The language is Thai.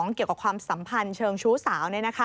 เกี่ยวกับความสัมพันธ์เชิงชู้สาว